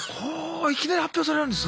いきなり発表されるんですか。